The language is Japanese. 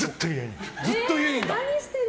ずっと家にいる。